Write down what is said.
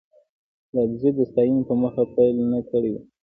د ابوزید د ستاینې په موخه پيل نه کړی و.